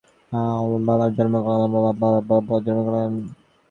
সে তাহার স্বদেশবিধাতার একটি কোনো অভিপ্রায় সিদ্ধ করিবার জন্যই জন্মগ্রহণ করিয়াছে।